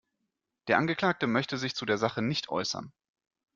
Der Angeklagte möchte sich zu der Sache nicht äußern.